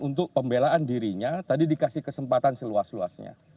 untuk pembelaan dirinya tadi dikasih kesempatan seluas luasnya